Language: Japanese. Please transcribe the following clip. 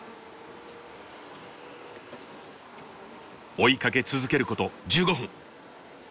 追いかけ続けること１５分。